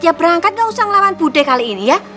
ya berangkat gak usah ngelawan bude kali ini ya